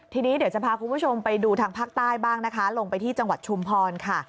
ทีนี้เดี๋ยวจะพาคุณผู้ชมไปดูทางภาคใต้บ้างนะคะลงไปที่จังหวัดชุมพรค่ะ